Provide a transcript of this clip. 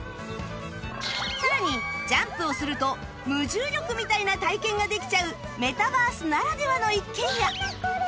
さらにジャンプをすると無重力みたいな体験ができちゃうメタバースならではの一軒家なんだこれ！